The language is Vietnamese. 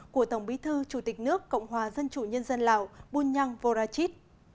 của tổng bí thư chủ tịch nước cộng hòa dân chủ nhân dân lào bunyang vorachit